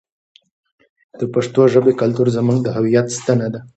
د پښتو ژبې کلتور زموږ د هویت ستنه ده.